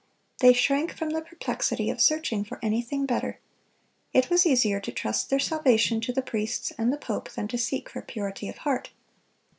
They shrank from the perplexity of searching for anything better. It was easier to trust their salvation to the priests and the pope than to seek for purity of heart.